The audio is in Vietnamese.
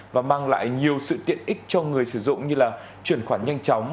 và mang lại nhiều sự tiện ích cho người sử dụng như là chuyển khoản nhanh chóng